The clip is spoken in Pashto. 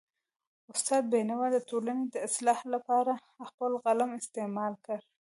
استاد بینوا د ټولنې د اصلاح لپاره خپل قلم استعمال کړ.